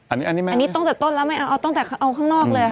อันนี้ต้องจากต้นแล้วไม่เอาต้องจากเอาข้างนอกเลยค่ะ